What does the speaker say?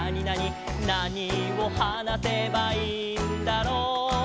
「なにをはなせばいいんだろう？」